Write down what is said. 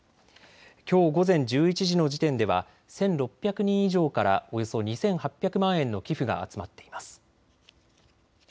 きょう午前１１時の時点では１６００人以上からおよそ２８００万円の寄付が集まっています。